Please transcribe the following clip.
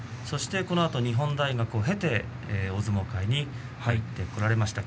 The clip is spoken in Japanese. このあと日本大学を経て大相撲界に入ってこられました。